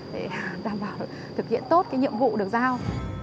để đảm bảo thực hiện tốt nhiệm vụ được giao